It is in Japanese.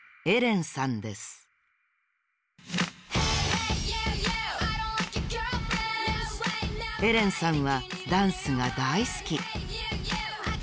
エレンさんはダンスがだいすき。